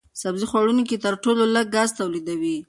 سبزي خوړونکي تر ټولو لږ ګاز تولیدوي.